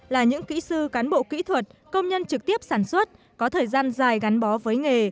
là những kỹ sư cán bộ kỹ thuật công nhân trực tiếp sản xuất có thời gian dài gắn bó với nghề